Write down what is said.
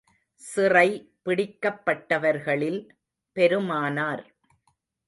சிறை பிடிக்கப்பட்டவர்களில் பெருமானார்.